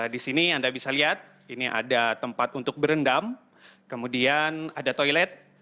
di sini anda bisa lihat ini ada tempat untuk berendam kemudian ada toilet